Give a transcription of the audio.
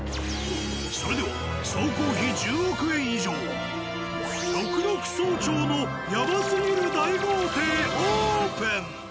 それでは総工費１０億円以上六麓荘町のやばすぎる大豪邸オープン！